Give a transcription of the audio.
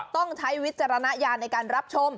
ต้องใช้วิจารณญาณในการรับชม